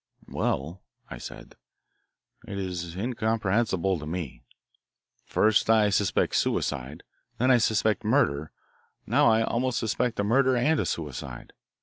"Well," I said, "it is incomprehensible to me. First I suspected suicide. Then I suspected murder. Now I almost suspect a murder and a suicide.